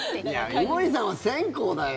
井森さんは線香だよ。